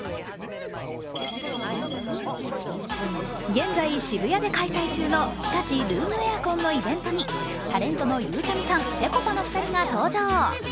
現在渋谷で開催中の日立ルームエアコンのイベントにタレントのゆうちゃみさんぺこぱの２人が登場。